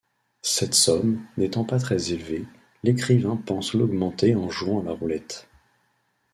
Cette somme, n'étant pas très élevée, l'écrivain pense l'augmenter en jouant à la roulette.